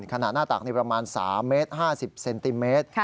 หน้าตากนี่ประมาณ๓เมตร๕๐เซนติเมตร